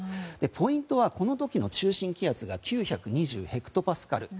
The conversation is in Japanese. ポイントは、この時の中心気圧が９２０ヘクトパスカル。